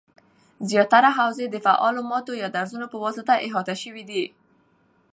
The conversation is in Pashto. زیاتره حوزې د فعالو ماتو یا درزونو پواسطه احاطه شوي دي